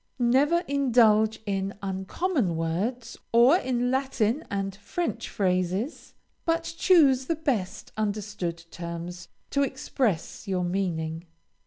Never indulge in uncommon words, or in Latin and French phrases, but choose the best understood terms to express your meaning.